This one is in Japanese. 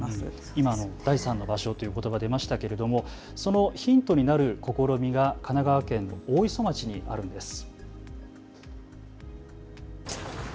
今、第三の場所ということばが出ましたけれどもそのヒントになる試みが神奈川県大磯町にあるんです。